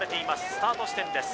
スタート地点です